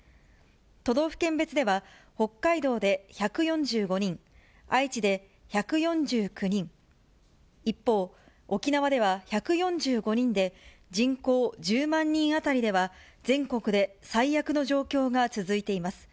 都道府県別では、北海道で１４５人、愛知で１４９人、一方、沖縄では１４５人で、人口１０万人当たりでは、全国で最悪の状況が続いています。